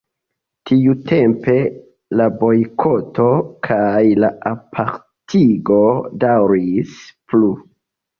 Tiutempe la bojkoto kaj la apartigo daŭris plu.